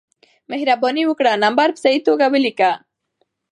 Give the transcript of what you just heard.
مهربانې وکړه نمبر په صحیح توګه ولېکه